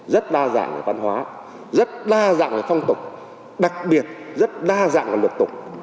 rất đa dạng về văn hóa rất đa dạng về phong tục đặc biệt rất đa dạng và luật tục